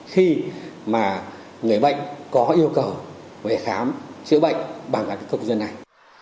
khi mà người bệnh có yêu cầu về khám chữa bệnh bằng các công dân này